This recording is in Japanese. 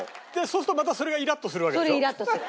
そうするとまたそれがイラッとするわけでしょ？